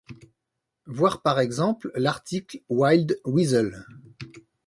Voir par exemple l'article Wild Weasel.